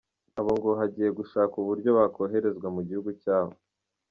Aba ngo hagiye gushakwa uburyo bakoherezwa mu gihugu cyabo.